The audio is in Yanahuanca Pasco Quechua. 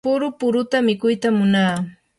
puru puruta mikuytam munaa.